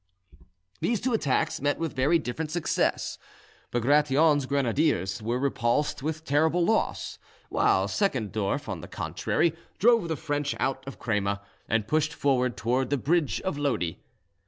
These two attacks met with very different success. Bagration's grenadiers were repulsed with terrible loss, whilst Seckendorff, on the contrary, drove the French out of Crema, and pushed forward towards the bridge of Lodi.